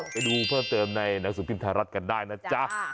ไปดูเพิ่มเติมในหนังสือพิมพ์ไทยรัฐกันได้นะจ๊ะ